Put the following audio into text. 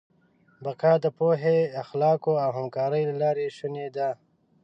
بقا د پوهې، اخلاقو او همکارۍ له لارې شونې ده.